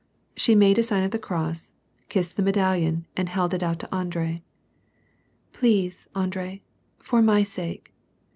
She made the sign of the cross, kissed the medallion, and held it out to Andrei. "Please, Andr^, for my sake."